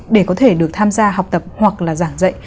để có thể được tham gia học tập hoặc là giảng dạy